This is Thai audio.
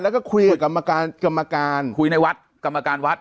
แล้วก็คุยกับกรรมการคุยในวัดกรรมการวัด